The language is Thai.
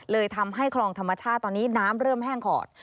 เลยทำให้คลองธรรมชาติตอนนี้น้ำเริ่มแห้งขอด